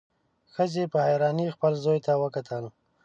ښځې په حيرانۍ خپل زوی ته وکتل.